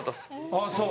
ああそう。